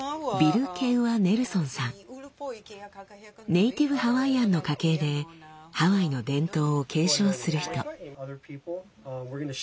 ネイティブハワイアンの家系でハワイの伝統を継承する人。